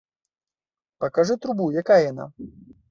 Пакажы трубу, якая яна!